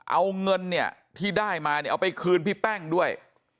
เอาเงินที่ได้มาเอาไปคืนพี่แป้งด้วย